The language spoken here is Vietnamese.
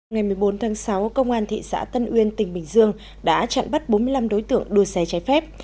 ngày một mươi bốn tháng sáu công an thị xã tân uyên tỉnh bình dương đã chặn bắt bốn mươi năm đối tượng đua xe trái phép